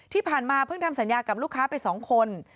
ที่ผ่านมาเพิ่งทำสัญญากับลูกค้าไป๒คน